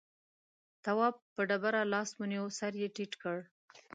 تواب په ډبره لاس ونيو سر يې ټيټ کړ.